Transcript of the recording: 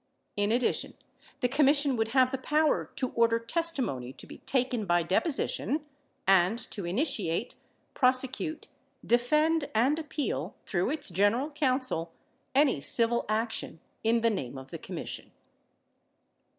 In addition, the Commission would have the power to order testimony to be taken by deposition and to initiate, prosecute, defend and appeal, through its General Counsel, any civil action in the nam e of the Commission.